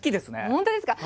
本当ですか！